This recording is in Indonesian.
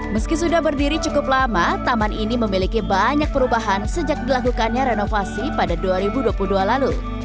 meski sudah berdiri cukup lama taman ini memiliki banyak perubahan sejak dilakukannya renovasi pada dua ribu dua puluh dua lalu